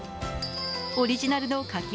オリジナルの描き